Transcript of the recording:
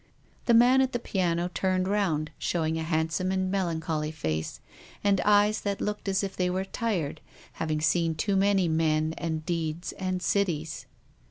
The man at the piano turned round, showing a handsome and melancholy face, and eyes that looked as if they were tired, having seen too many men and deeds and cities.